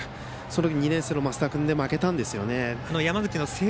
その時２年生の升田君で負けたんですよ。